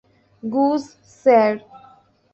Goodge, sir.